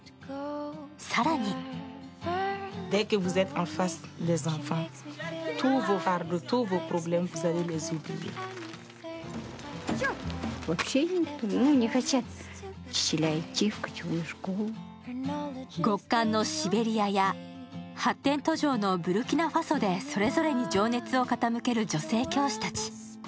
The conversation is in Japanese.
更に極寒のシベリアや発展途上のブルキナファソでそれぞれに情熱を傾ける女性教師たち。